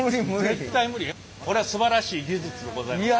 これはすばらしい技術でございますね。